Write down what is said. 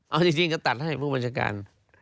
เอาจริงก็ตัดให้ผู้บัญชาการ